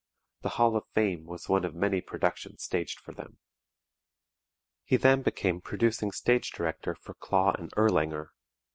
"The Hall of Fame" was one of many productions staged for them. He then became producing stage director for Klaw and Erlanger.